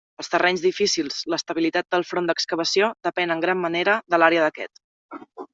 En terrenys difícils, l'estabilitat del front d'excavació depèn en gran manera de l'àrea d'aquest.